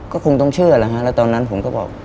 ก็คงต้องเชื่อแล้วฮะแล้วตอนนั้นผมก็บอก